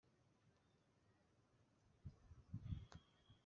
Rwiyamwa: Umuntu abandi biyama, bagendera kure kubera urugomo cyangwa